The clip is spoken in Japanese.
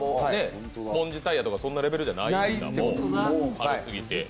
スポンジタイヤとかそんなレベルじゃないんだ、軽すぎて。